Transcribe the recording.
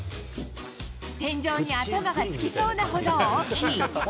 天井に頭がつきそうなほど大きい。